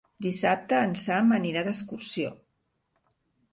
Dissabte en Sam anirà d'excursió.